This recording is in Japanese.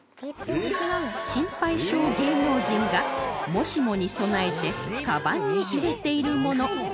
心配性芸能人がもしもに備えてカバンに入れているもの